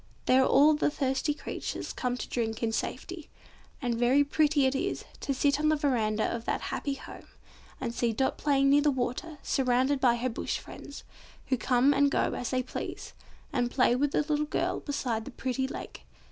There all the thirsty creatures come to drink in safety. And very pretty it is, to sit on the verandah of that happy home, and see Dot playing near the water surrounded by her Bush friends, who come and go as they please, and play with the little girl beside the pretty lake.